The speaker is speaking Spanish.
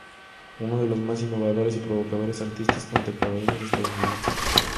Uno de los más innovadores y provocadores artistas contemporáneos estadounidenses.